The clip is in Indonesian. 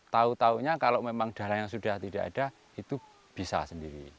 tahu tahunya kalau memang dana yang sudah tidak ada itu bisa sendiri